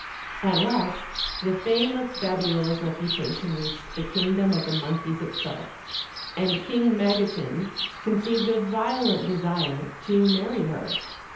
At last the fame of Babiola's reputation reached the kingdom of the monkeys itself, and King Magotin con ceived a violent desire to marry her.